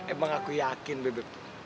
emang aku yakin beb